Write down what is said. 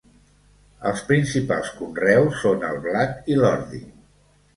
Els principals conreus són el blat i l'ordi.